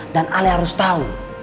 dan alih harus tau